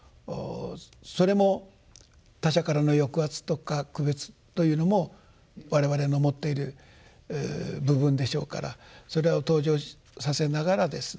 それも他者からの抑圧とか区別というのも我々の持っている部分でしょうからそれを登場させながらですね